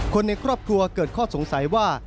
คนในครอบครัวเกิดข้อสงสัยว่า